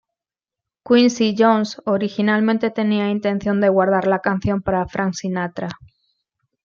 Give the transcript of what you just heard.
Quincy Jones originalmente tenía la intención de guardar la canción para Frank Sinatra.